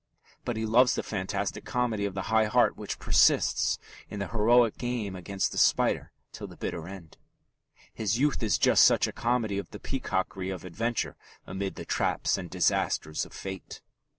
But he loves the fantastic comedy of the high heart which persists in the heroic game against the spider till the bitter end. His Youth is just such a comedy of the peacockry of adventure amid the traps and disasters of fate.